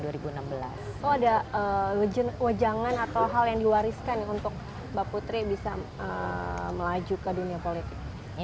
oh ada wajangan atau hal yang diwariskan nih untuk mbak putri bisa melaju ke dunia politik